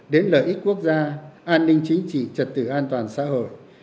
đến lợi ích quốc gia an ninh chính trị trật tự an toàn xã hội